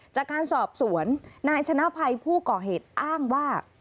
จากการสอบสวนนายชนะภัยผู้ก่อเหตุอ้างว่า